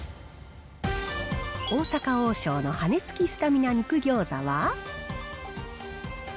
大阪王将の羽根つきスタミナ肉餃子は。